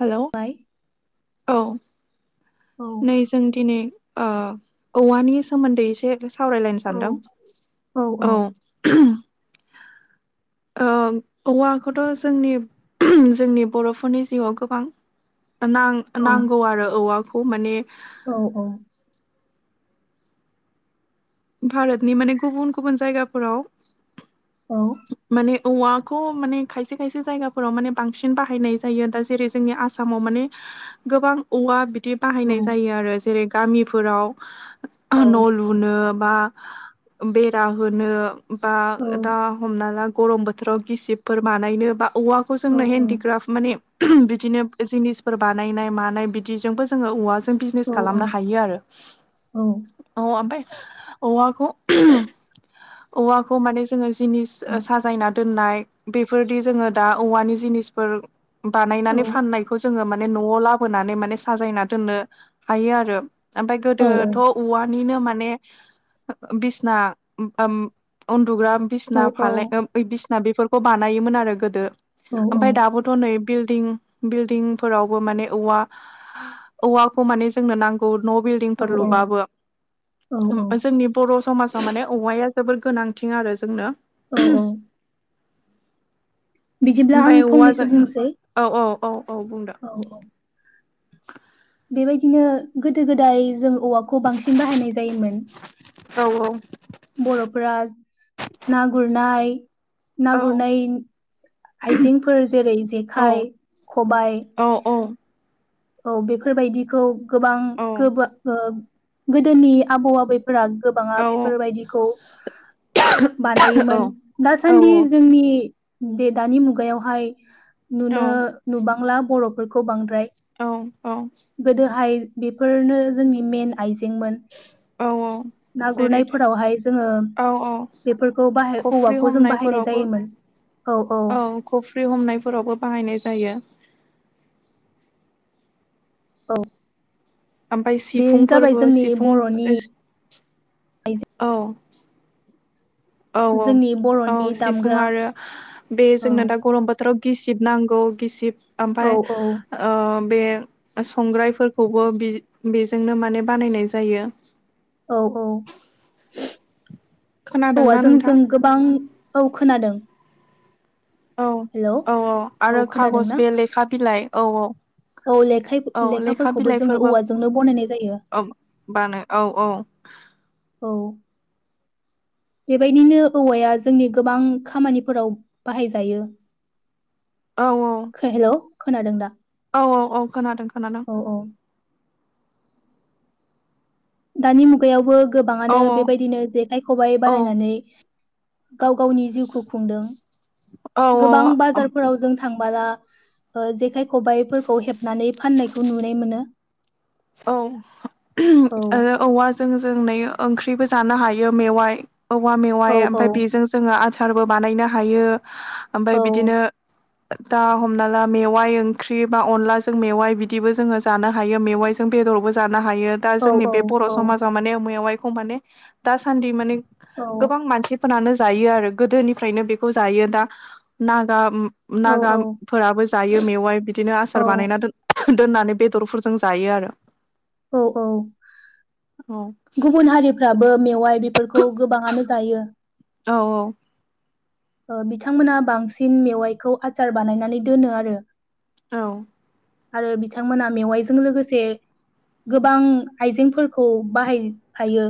Hello bye औ औ नै जों दिनै ओ औवानि सोमोन्दै एसे सावरायलायनो औ सानदों औ औ ओ औवाखौथ' जोंनि जोंनि बर'फोरनि जिउआव गोबां नां औ नांगौ आरो औवाखौ माने औ औ भारतनि माने गुबुन गुबुन जायगाफोराव औ माने औवाखौ माने खायसे खायसे जायगाफोराव माने बांसिन बाहायनाय जायो दा जेरै जोंनि आसा माव माने गोबां औवा बिदि बाहायनाय जायो आरो जेरै गामिफोराव औ न' लुनो बा बेरा होनो बा दा हमना ला गरम बोथोराव गिसिबफोर बानायनो बा औवाखौ जोंनो औ हेन्दडक्राफ्ट माने बिदिनो जिनिसफोर बानायनाय मानाय बिदिजोंबो जोङो औवा बिजनेस खालामनो हायो आरो अ ओमफ्राय औवाखौ औवाखौ माने जोङो जिनिस साजायना दोननाय बेफोरदि जोङो दा औवानि जिनिसफोर बानायनानै फाननायखौ जोङो न'वाव लाबोनानै माने साजायना दोननो हायो आरो ओमफ्राय गोदोथ' औवानिनो माने बिसना उन्दुग्रा बिसना बिसि बानायोन आरो गोदो ओमफाय दाबो थ'नै बिल्डिं बिल्डिंफोरावबो माने औवा औवाखौ माने जोंनो नांगौ न' बिल डिंफोर औ लुबाबो औ औ जोंनि बर' समाज माने औवाया जोबोर गोनांथिं आरो जोंनो औ औ बिदिब्ला आं ओमफ्राय फंनैसो औवाजों बुंसै औ औ औ औ बुंदों औ औ बेबायदिनो गोदो गोदाय जों औवाखौ बांसिन बाहायनाय जायोमोन। औ औ बर'फोरा ना गुरनाय ना औ गुरनाय आइजेंफोर जेरै औ जेखाइ खबाइ औ औ औ बेफोरबायदिखौ गोबां गोब गोदोनि आबौ आबै फोर गोबाङा बेफोरबायदिखौ बानायोमोन दासान्दि जोंनि बे दानि मुगायावहाय औ नुनो नुबांला बर'फोरखौ बांद्राय औ औ गोदोहाय बेफोरनो जोंनि मेन आइजेंमोन औ औ ना जेरै गुरनायफोरावहाय जोङो औ औ बेफोरखौ बाहाय खफ्रि औवाखौ जों बाहायनाय हमनायफोरावबो जायोमोन औ औ औ खफ्रि हमनायफोरावबो बाहायनाय जायो औ ओमफ्राय बेनो जाबाय सिफुंफोरबो जोंनि सिफुं बर'नि आइजें औ औ औ जोंनि औ बर'नि सिफुं दामग्रा आरो बे औ जोंना दा गरम बाथोर बोथोराव गिसिब नांगौ गिसिब औ ओमफ्राय औ बे संग्रायफोरखौबो बेजोंनो माने बानायनाय जायो औ औ खोनादोंना औवाजों नोंथां जों गोबां औ खोनादों औ हेलौ औ औ आरो खागज बे लेखा बिलाइ औ औ औ ले औ लेखा लेखाफोरखौबो जोङो बिलाइफोरबो औवाजोंनो बनायनाय जायो औ बानो औ औ औ बेबायदिनो औवाया जोंनि गोबां खामानिफोराव बाहायजायो औ औ हेलौ खोनादों दा औ औ औ खोनादों खोनादों औ औ दानि मुगायावबो औ गोबाङानो बेबायदिनो जेखाइ खबाइ बानायनानै गाव गावनि जिउखौ खुंदों औ गोबां औ बाजारफोराव जों थांबोला जेखाइ खबाइफोरखौ हेबनानै फाननाय बे खौ नुनाय मोनो औ औ आरो औवा जों जों नै ओंख्रिबो जानो हायो मेवाइ औवा औ मेवाइ औ ओमफफ्राय बेजों जोङो आचारबो बानायनो हायो ओमफ्राय औ बिदिनो दा हमना ला मेवाइ ओंख्रि बा अनलाजों मेवाइ बिदिबो जोङो जानो हायो मेवाइ जों बेदरावबो जानो हायो दा औ जोंनि औ बे बर' समाजाव माने मायाव एखौ माने दासान्दि माने औ गोबां मानसिफोरनानो जायो आरो गोदोनिफ्रायनो बेखौ जायो दा नागा औ औ नागाफोराबो जायो मेवाइ बिदिनो औ आसार बानायना दोन दोननानै बेदरफोरजों जायो आरो औ औ औ गुबुन हारि फोराबो मेवाइ बेफोरखौ गोबाङानो जायो औ औ बिथांमोना बांसिन मेवाइखौ आचार बानायनानै दोनो आरो औ आरो बिथांमोना मेवाइजों लोगोसे गोबां आइजेंफोरखौ बाहायफायो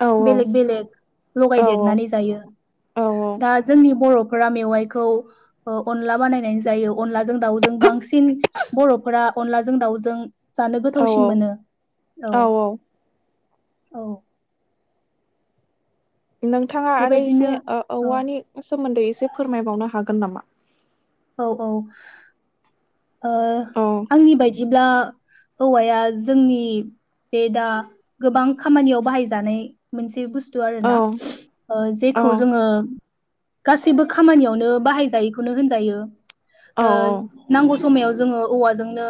औ औ बेलेग बेलेग लगायदेरनानै जायो दा जोंनि बर'फोरा मेवाइखौ अनला बानायनाय जायो अनलाजों दाउजों बांसिन बर'फोरा अनलाजों दाउजों जानो औ गोथावसिन मोनो औ औ नोंथाङा आरो बेबायदिनो एसे ओ औवानि सोमोन्दै एसे फोरमायबावनो हागोन नामा औ औ औ आंनि बायदिब्ला औवाया जोंनि बे दा गोबां खामानियाव बाहायजानाय मोनसे बुस्थु आरो औ ना औ जेखौ जोङो गासैबो खामानियावनो बाहायजायैखौनो होनजायो औ नांगौ समायाव जोङो औवाजोंनो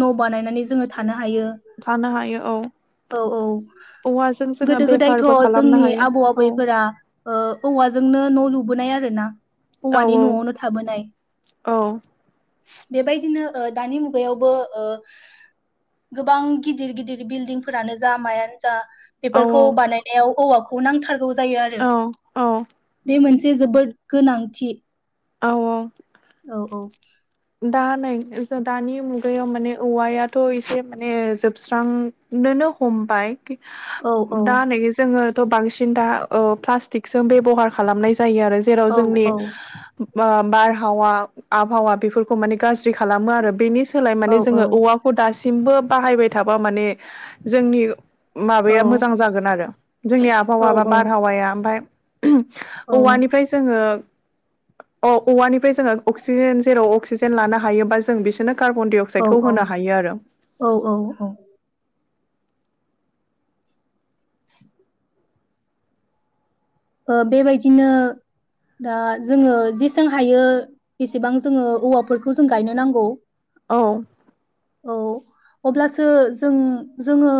न' बानायनानै जोङो थानो हायो थानो हायो औ औ औ औवाजों जोङो गोदो गोदायथ' बेफारबो खालामनो जोंनि हायो आबौ औ आबैफोरा औवाजोंनो न' लुबोनाय आरो ना औ औवानि औ न'आवनो थाबोनाय औ बेबायदिनो दानि मुगायावबो गोबां गिदिर गिदिर बिल्डिंफोरानो जा मायानो जा औ बेफोरखौ बानायनायाव औवाखौ नांथारगौ जायो आरो औ औ बे मोनसे जोबोद गोनांथि औ औ औ औ दा नै दानि मुगायाव माने औवायाथ' एसे माने जोबस्रां नुनोनो हमबाय औ औ दा नै जोङोथ' बांसिन दा प्लाटिकजों बे बेहार खालामनाय जायो आरो जेराव औ जोंनि औ बारहावा आबहावा बेफोरखौ माने गाज्रि खालामो आरो बेनि सोलाय औ माने औ जोङो औवाखौ दासिमबो बाहायबाय थाबा माने जोंनि औ माबाया मोजां जागोन आरो जोंनि औ आबहावा बा बारहावाया ओमफ्राय औवानिफ्राय जोङो औ औवानिफ्राय जोङो अक्सिजेन जेराव अक्सिजेन लानो हायोबा जों बिसोरनो कार्बनडाइ औ औ औ औ औ [inaudible] बेबायदिनो दा जोङो जेसां हायो बेसेबां जोङो औवाफोरखौ जों गायनो नांगौ औ औ अब्लासो जों जोङो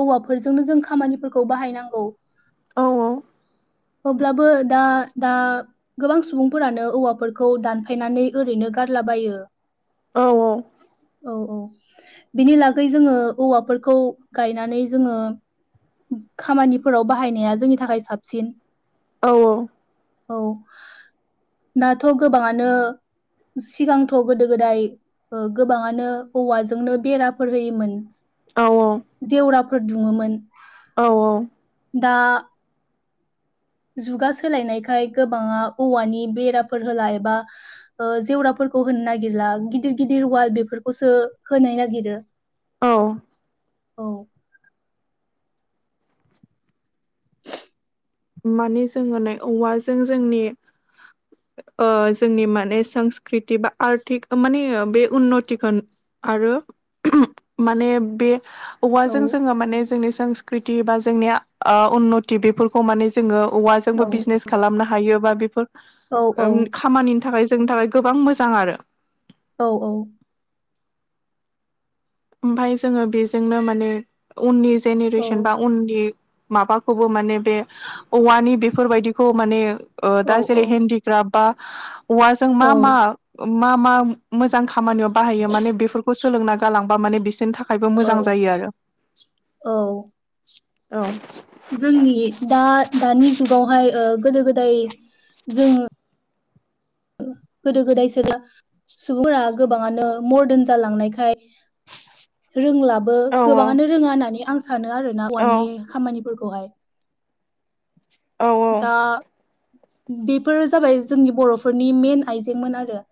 हौवाफोरजोंनो जों खामानिफोरखौ बाहायनांगौ औ औ अब्लाबो दा दा गोबां सुबुंफोरानो औवाफोरखौ दानफायनानै ओरैनो गारलाबायो औ औ औ औ बिनि लागै जोङो औवाफोरखौ गायनानै जोङो खामानिफोराव बाहायनाया जोंनि थाखाय साबसिन औ औ औ दाथ' गोबाङानो सिगांथ' गोदो गोदाय गोबाङानो औवाजोंनो बेराफोर होयोमोन औ जेवराफोर दुङोमोन औ दा जुगा सोलायनायखाय गोबाङा औवानि बेराफोर होला एबा जेवराफोरखौ होनो नागिरला गिदिर गिदिर वाल बेफोरखौसो होनाय नागिरो औ औ [inaudible] माने जोङो नै औवाजों जोंनि जोंनि माने संस्कृति बा आर्थिक माने बे उन्नतिखौ आरो माने बे औ औवाजों जोङो माने जोंनि संस्कृति बा जोंनि उन्नथि बेफोरखौ जोङो औवाजोंबो बिजनेस खालामनो हायो बा औ बेफोर खामानिनि थाखाय जोंनि थाखाय गोबां मोजां आरो औ औ ओमाय जोङो बेजोंनो माने उननि जेनेरेसन बा उननि माबाखौबो माने बे औवानि बेफोरबायदिखौ माने दा जेरै औ हेन्दिक्राफ्ट बा औवाजों औ मा मा मा मा मोजां खामानियाव बाहायो माने बेफोरखौ सोलोंना गालांबा माने बिसोरनि थाखाय थाखायबो औ मोजां जायो आरो औ औ जोंनि दा दानि जुगावहाय गोदो गोदाय जों गोदो गोदायसो [unintelligible] सुबुंफोरा गोबाङानो मदारन जालांनायखाय रोंलाबो गोबाङानो औ रोङा होननानै आं सानो आरोना औ औवानि खामानिफोरखौहाय [inaudible] दा बेफोरो जाबाय जोंनि बर'फोरनि मेन आइजेंमोन आरो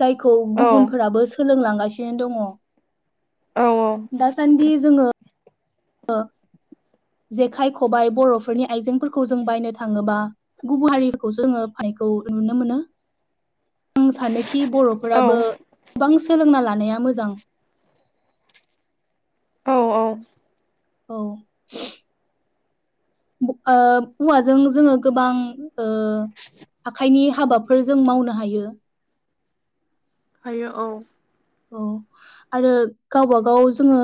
जायखौ औ गुबुनफोराबो सोलोंलांगासिनो दङ दासान्दि जोङो जेखाइ खबाइ बर'फोरनि आइजेंफोरखौ जों बायनो थाङोबा गुबुन हारिखौसो जोङो फाननायखौ नुनो मोनो आं सानोखि बर'फोराबो औ गोबां सोलोंना लानाया मोजां औ औ औ ओ औवाजों जोङो गोबां आखाइनि हाबाफोर जों मावनो हायो। हायो औ औ आरो गावबागाव जोङो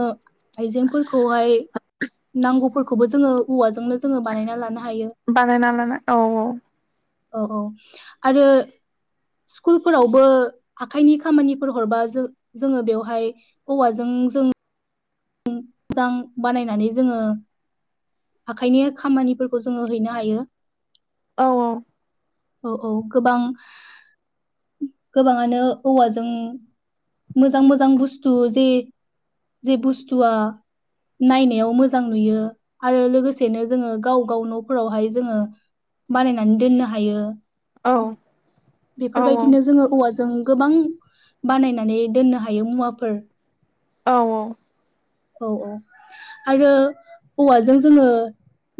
आइजेंफोरखौहाय नांगौफोरखौबो जोङो औवाजोंनो जोङो बानायना लानो हायो बानायना औ औ औ औ आरो स्कुलफोरावबो आखाइनि खामानिफोर हरबा जों जोङो बेवहाय हौवाजों जों [unintelligible] मोजां बानायनानै जोङो आखाइनि खामानिफोरखौ जोङो हैनो हायो। औ औ औ औ गोबां गोबाङानो औवाजों मोजां मोजां बुस्थु जे जे बुस्थुआ नायनायाव मोजां नुयो आरो लोगोसेनो जोङो गाव गाव न'फोरावहाय जोङो बानायनानै दोननो हायो। औ औ बेफोरबायदिनो जोङो औवाजों गोबां बानायनानै दोननो हायो मुवाफोर औ औ औ औ आरो हौवाजों जोङो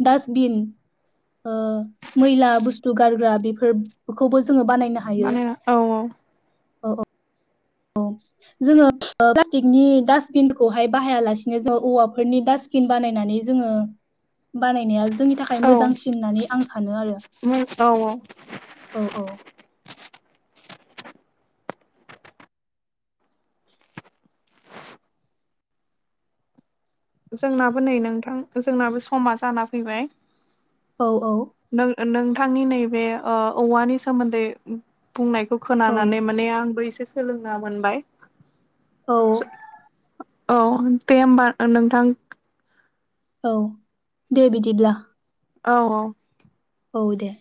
डासटबिन मैला बुस्थु गारग्रा बेफोरखौबो जोङो बानायनो हायो माने औ औ औ औ जोङो फ्लासटिकनि दास्बिनखौहाय बाहाया लासेनो जों औवाफोरनि दास बिन बानायनानै जोङो बानायनाया जोंनि थाखाय औ मोजांसिन होननानै आं सानो आरो। औ औ औ औ जोंनाबो नै नोंथां जोंनाबो समा जाना फैबाय। औ औ नों नोंथांनि नैबे औवानि सोमोन्दै बुंनायखौ औ खोनानानै माने आंबो एसे सोलोंना मोनबाय। औ औ दे होमबा नोंथां। औ दे बिदिब्ला। औ औ। औ दे